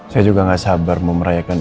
saya juga gak sabar mau merayakan